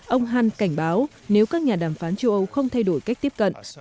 ông hunt cảnh báo nếu các nhà đàm phán châu âu không thay đổi cách tiếp cận